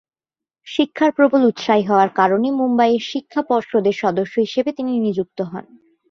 শিক্ষার প্রবল উৎসাহী হওয়ার কারণে মুম্বাইয়ের শিক্ষা পর্ষদের সদস্য হিসেবে তিনি নিযুক্ত হন।